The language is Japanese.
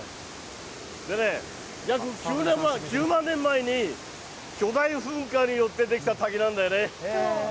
でね、約９万年前に巨大噴火によって出来た滝なんだよね。